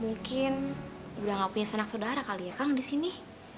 mungkin udah gak punya sanak saudara kali ya kang di sini